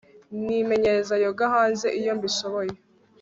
Nimenyereza yoga hanze iyo mbishoboye